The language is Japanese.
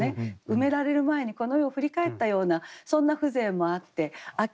埋められる前にこの世を振り返ったようなそんな風情もあって「秋